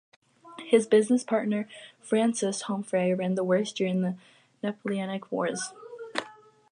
His business partner, Francis Homfray, ran the works during the Napoleonic Wars.